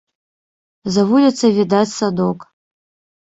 За вуліцай відаць садок.